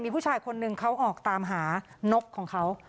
มีผู้ชายคนหนึ่งเขาออกตามหานกของเขา